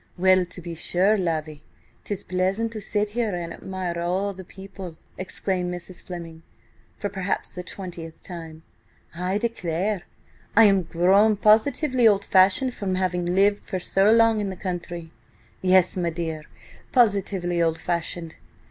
"Well, to be sure, Lavvy, 'tis pleasant to sit here and admire all the people!" exclaimed Mrs. Fleming, for perhaps the twentieth time. "I declare I am grown positively old fashioned from having lived for so long in the country!–yes, my dear, positively old fashioned!